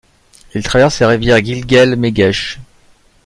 Il traverse la rivière Gilgel Megech.